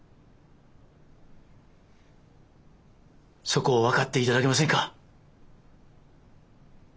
そこを分かっていただけませんか？